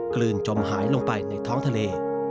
ลืนจมหายลงไปในท้องทะเล